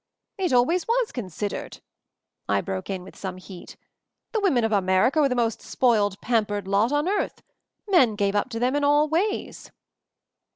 "It always was considered!" I broke in with some heat. "The women of America were the most spoiled, pampered lot on earth; men gave up to them in all ways."